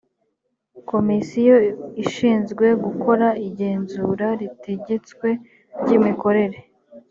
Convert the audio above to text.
komisiyo ishinzwe gukora igenzura ritegetswe ry’imikorere